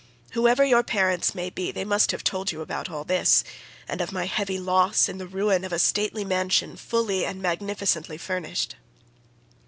Whoever your parents may be they must have told you about all this, and of my heavy loss in the ruin41 of a stately mansion fully and magnificently furnished.